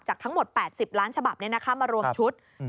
ทั้งหมด๘๐ล้านฉบับมารวมชุด